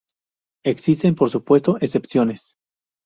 Existen por supuesto excepciones.